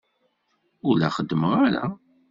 Ur la xeddmeɣ ara.